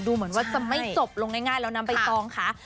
เหมือนว่าจะไม่จบลงง่ายแล้วนะใบตองค่ะ